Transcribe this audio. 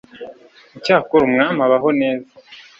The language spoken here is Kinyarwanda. icyakora umwami abaho neza